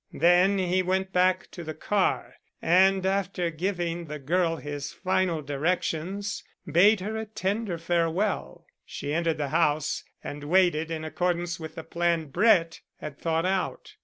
Then he went back to the car, and after giving the girl his final directions bade her a tender farewell. She entered the house and waited in accordance with the plan Brett had thought out.